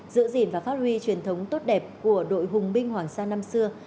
dựa dịn vào pháp huy truyền thống tốt đẹp của đội hùng binh hoàng sa năm xưa